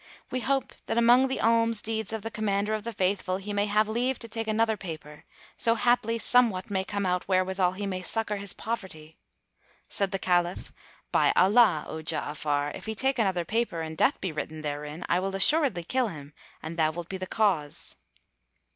We hope that among the alms deeds of the Commander of the Faithful, he may have leave to take another paper, so haply somewhat may come out wherewithal he may succor his poverty." Said the Caliph, "By Allah, O Ja'afar, if he take another paper and death be written therein, I will assuredly kill him, and thou wilt be the cause."